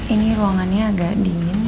ini ruangannya agak dingin